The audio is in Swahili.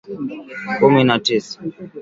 kumi na tisa